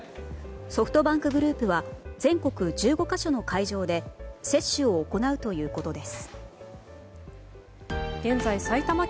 ソフトバンクグループは全国１５か所の会場で接種を行うということです。